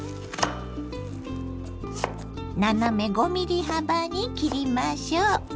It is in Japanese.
斜め５ｍｍ幅に切りましょう。